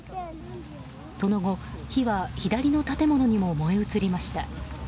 その後、火は左の建物にも燃え移りました。